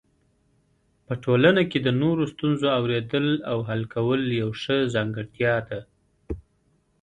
په ټولنه کې د نورو ستونزو اورېدل او حل کول یو ښه ځانګړتیا ده.